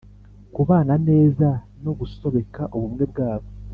kubana neza no gusobeka ubumwe bwabo.